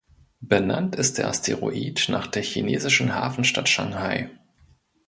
Benannt ist der Asteroid nach der chinesischen Hafenstadt Shanghai.